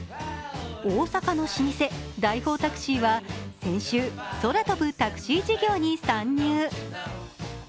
大阪の老舗、大宝タクシーは先週、空飛ぶタクシー事業に参入。